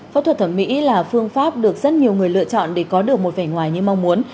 phẫu thuật thẩm mỹ là phương pháp được rất nhiều người lựa chọn để có được một vẻ ngoài như mong muốn